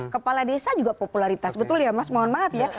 kepala desa juga popularitas betul ya mas mohon maaf ya